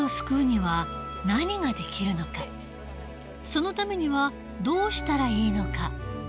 そのためにはどうしたらいいのか。